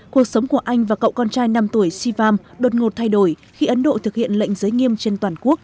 cuộc sống của anh và cậu con trai năm tuổi sivam đột ngột thay đổi khi ấn độ thực hiện lệnh giới nghiêm trên toàn quốc